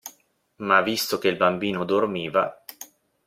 Ma visto che il bambino dormiva.